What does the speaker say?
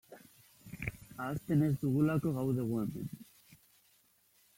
Ahazten ez dugulako gaude gu hemen.